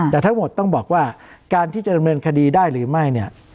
แต่ทั้งหมดต้องบอกว่าการที่จะดำเนินคดีได้หรือไม่เนี่ย